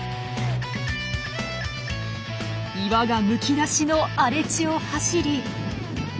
岩がむき出しの荒れ地を走り。